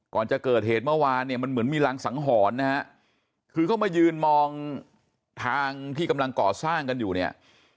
ก่อนจะเกิดเหตุเมื่อวานเนี่ยมันเหมือนมีรังสังหรณ์นะฮะคือเขามายืนมองทางที่กำลังก่อสร้างกันอยู่เนี่ย